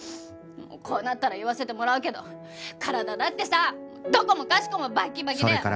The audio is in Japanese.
もうこうなったら言わせてもらうけど体だってさどこもかしこもバッキバキで。